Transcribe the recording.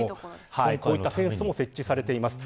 こういったフェンスも設置されています。